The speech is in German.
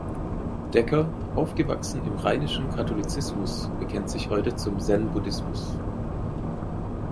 Decker, aufgewachsen im rheinischen Katholizismus, bekennt sich heute zum Zen-Buddhismus.